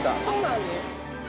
そうなんです。